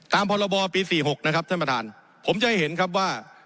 พรบปี๔๖นะครับท่านประธานผมจะให้เห็นครับว่า